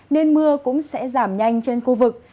nên mưa cũng sẽ giảm nhanh trên khu vực